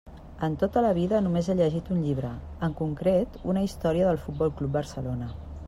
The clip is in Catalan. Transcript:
En tota la vida només he llegit un llibre, en concret una història del Futbol Club Barcelona.